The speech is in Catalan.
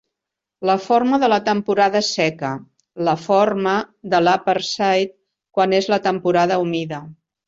La forma de la temporada seca: la forma de l'Upperside quan és la temporada humida.